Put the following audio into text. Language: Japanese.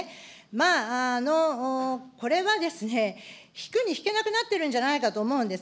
まあこれはですね、引くに引けなくなっているんではないかと思うんです。